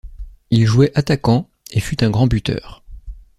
Il jouait attaquant, et fut un grand buteur.